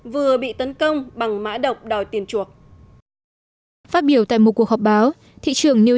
vừa bị tấn công bằng mã độc đòi tiền chuộc phát biểu tại một cuộc họp báo thị trường new